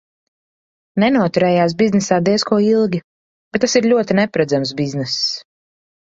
Nenoturējās biznesā diez ko ilgi, bet tas ir ļoti neparedzams bizness.